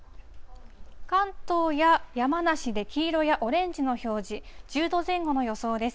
関東や山梨で黄色やオレンジの表示、１０度前後の予想です。